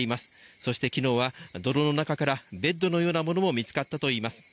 そして昨日は泥の中からベッドのようなものも見つかったといいます。